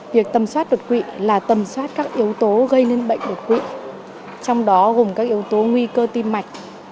việc tầm soát đột quỵ là tầm soát các yếu tố gây nên bệnh đột quỵ trong đó gồm các yếu tố nguy cơ tim mạch